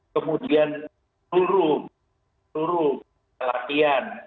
kemudian luru luru latihan